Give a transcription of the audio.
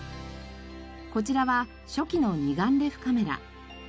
こちらは初期の二眼レフカメラ。